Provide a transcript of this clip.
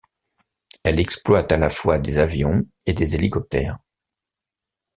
Elle exploite à la fois des avions et des hélicoptères.